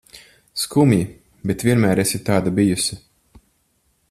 Skumji, bet vienmēr esi tāda bijusi.